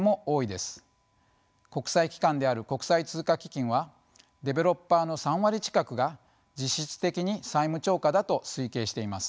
国際機関である国際通貨基金はデベロッパーの３割近くが実質的に債務超過だと推計しています。